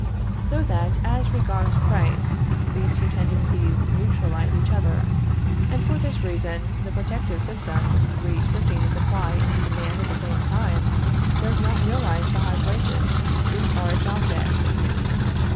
So that, as regards the price, these two tendencies neutralize each other; and for this reason, the protective system, restricting the supply and the demand at the same time, does not realize the high prices which are its object.